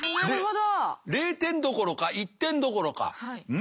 なるほど。